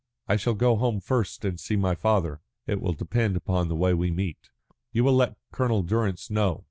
"I shall go home first and see my father. It will depend upon the way we meet." "You will let Colonel Durrance know.